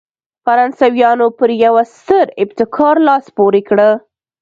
فرانسویانو پر یوه ستر ابتکار لاس پورې کړ.